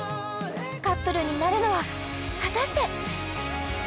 カップルになるのは果たして！？